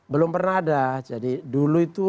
belum pernah ada jadi dulu itu